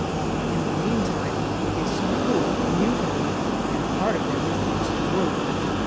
In the mean time his crew mutinied, and part of them refused to work.